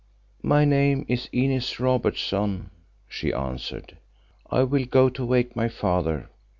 "My name is Inez Robertson," she answered. "I will go to wake my father.